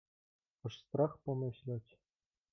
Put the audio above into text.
"Aż strach pomyśleć!"